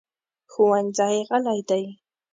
ښوونځی غلی دی.